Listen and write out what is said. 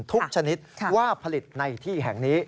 ชนิดว่าผลิตในที่แห่งนี้